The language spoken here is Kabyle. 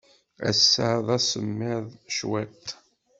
Ass-a, d asemmiḍ cwiṭ.